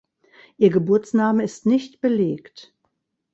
Ihr Geburtsname ist nicht belegt.